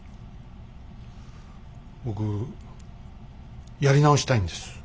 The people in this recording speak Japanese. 僕やり直したいんです。